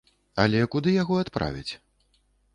Але куды яго адправяць?